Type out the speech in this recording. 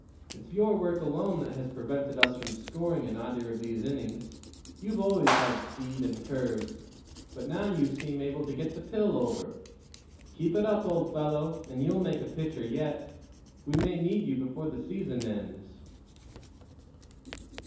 It's your work alone that has prevented us from scoring in either of these innings. You've always had speed and curves, but now you seem able to get the pill over. Keep it up, old fellow, and you'll make a pitcher yet, We may need you before the season ends."